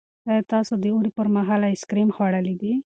ایا تاسو د اوړي پر مهال آیس کریم خوړلي دي؟